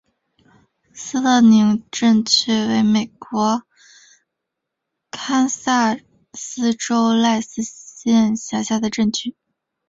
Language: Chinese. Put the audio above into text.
斯特宁镇区为美国堪萨斯州赖斯县辖下的镇区。